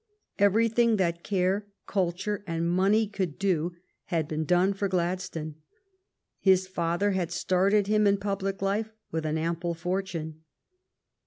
Everything that care, culture, and money could do had been done for Glad stone. His father had started him in public life with an ample fortune.